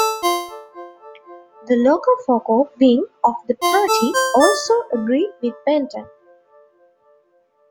The Locofoco wing of the party also agreed with Benton.